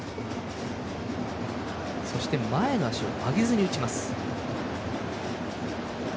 そして、前の足を上げずに打ちます。